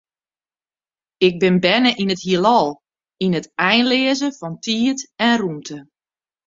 Ik bin berne yn it Hielal, yn it einleaze fan tiid en rûmte.